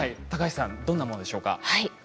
高橋さんどんなものでしょうか。